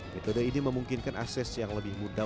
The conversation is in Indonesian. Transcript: metode ini memungkinkan akses yang lebih mudah